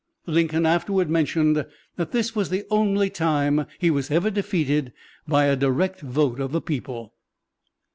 Lincoln afterward mentioned that this was the only time he was ever defeated by a direct vote of the people.